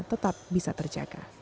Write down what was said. tetap bisa terjaga